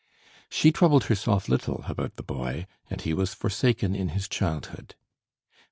She troubled herself little about the boy, and he was forsaken in his childhood.